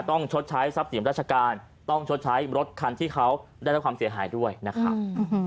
ชดใช้ทรัพย์สินราชการต้องชดใช้รถคันที่เขาได้รับความเสียหายด้วยนะครับ